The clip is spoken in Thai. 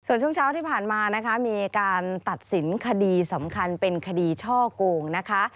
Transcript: ส่วนช่วงเช้าที่ผ่านมานะคะมีการตัดสินคดีสำคัญเป็นคดีช่อโกงนะคะ